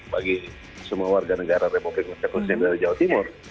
bagi semua warga negara republik masjid khusus jawa timur